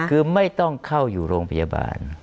คือไม่ต้องเข้าอยู่โรงพยาบาล